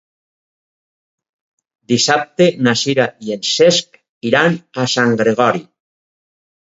Dissabte na Sira i en Cesc iran a Sant Gregori.